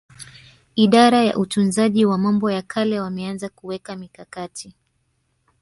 Idara ya Utunzaji wa Mambo ya Kale wameanza kuweka mikakati